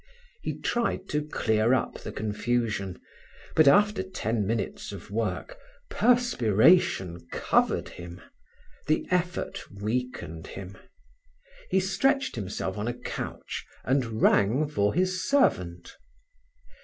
He tried to clear up the confusion, but after ten minutes of work, perspiration covered him; the effort weakened him. He stretched himself on a couch and rang for his servant.